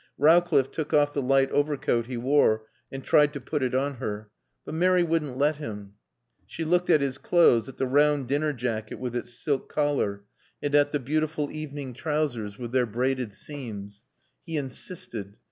Rowcliffe took off the light overcoat he wore and tried to put it on her. But Mary wouldn't let him. She looked at his clothes, at the round dinner jacket with its silk collar and at the beautiful evening trousers with their braided seams. He insisted.